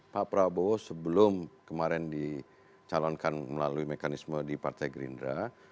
pak prabowo sebelum kemarin dicalonkan melalui mekanisme di partai gerindra